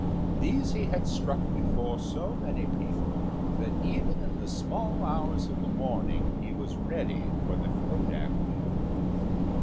These he had struck before so many people that even in the small hours of the morning he was ready for the kodak wielder.